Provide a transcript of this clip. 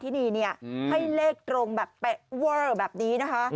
ที่หนูเนี่ยให้เลขตรงแบบแบบแบบนี้นะคะ